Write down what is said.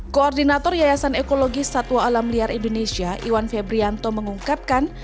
koordinator yayasan ekologi satwa alam liar indonesia iwan febrianto mengungkapkan